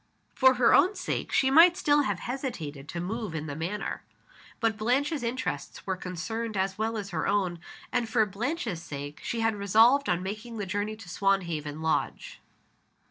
For her own sake she might still have hesitated to move in the matter. But Blanche's interests were concerned as well as her own; and, for Blanche's sake, she had resolved on making the journey to Swanhaven Lodge.